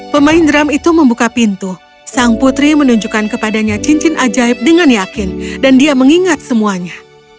pemain drum itu membuka pintu sang putri menunjukkan kepadanya cincin ajaib dengan yakin dan dia mengingat semuanya